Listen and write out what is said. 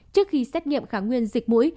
trước khi xét nghiệm kháng nguyên dịch mũi